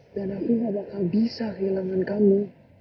dan aku gak bakal bisa kehilangan kamu